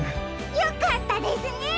よかったですね！